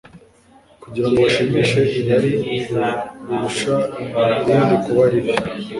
kugira ngo bashimishe irari rirusha irindi kuba ribi.